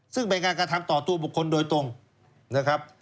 ซึ่งเป็นการกระทำต่อตัวบุคคลโดยตรงนะครับ